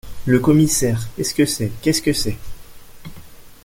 Le Commissaire Qu’est-ce que c’est ?… qu’est-ce que c’est ?…